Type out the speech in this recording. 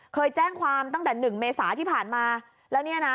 เคยแจ้งความตั้งแต่หนึ่งเมษาที่ผ่านมาแล้วเนี่ยนะ